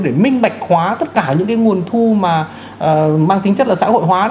để minh bạch hóa tất cả những nguồn thu mang tính chất là xã hội hóa